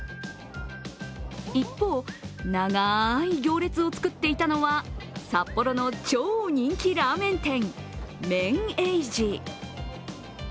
一方、長い行列を作っていたのは、札幌の超人気ラーメン店、ＭＥＮ−ＥＩＪＩ。